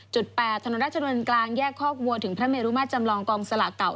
จุด๘ถนนราชนวลกลางแยกคลอกวัวถึงพระเมรุมะจำลองกองหน่อย